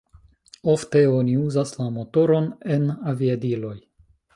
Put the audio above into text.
Ofte oni uzas la motoron en aviadiloj.